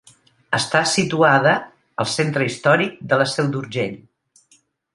Està situada al Centre històric de la Seu d'Urgell.